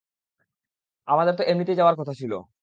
আমাদের তো এমনিতেই যাওয়ার কথা ছিল!